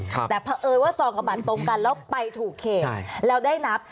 แต่เพราะเอิญว่าซองกับบัตรตรงกันแล้วไปถูกเขตแล้วได้นับ